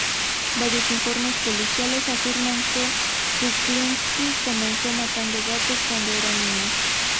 Varios informes policiales afirman que Kuklinski comenzó matando gatos cuando era niño.